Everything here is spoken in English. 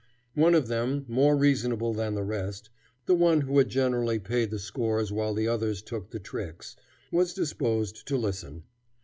One of them, more reasonable than the rest the one who had generally paid the scores while the others took the tricks was disposed to listen.